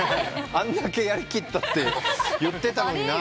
あんだけやりきったって言ってたのにな。